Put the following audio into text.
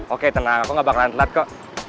oke tenang aku gak bakalan telat kok